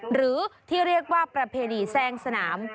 หรือที่เรียกว่าประเพณีแซงสนาม